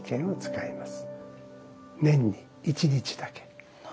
年に一日だけ。